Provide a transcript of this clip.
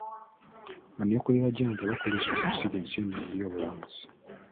Banneekolera gyange bakubirizibwa okusiga ssente mu byobulambuzi.